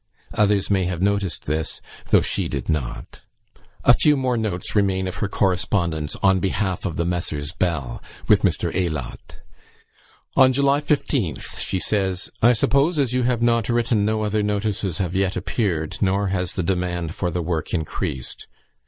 Others may have noticed this, though she did not. A few more notes remain of her correspondence "on behalf of the Messrs. Bell" with Mr. Aylott. On July 15th she says, "I suppose, as you have not written, no other notices have yet appeared, nor has the demand for the work increased.